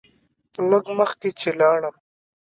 لږ مخکې چې لاړم.